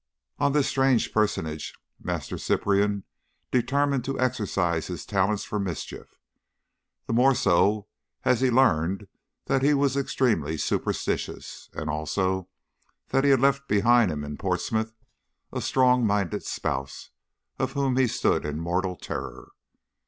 On this strange personage Master Cyprian determined to exercise his talents for mischief, the more so as he learned that he was extremely superstitious, and also that he had left behind him in Portsmouth a strong minded spouse of whom he stood in mortal terror.